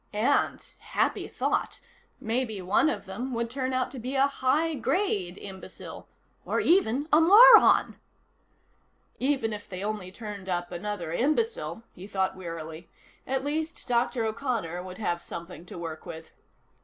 And happy thought! maybe one of them would turn out to be a high grade imbecile, or even a moron. Even if they only turned up another imbecile, he thought wearily, at least Dr. O'Connor would have something to work with.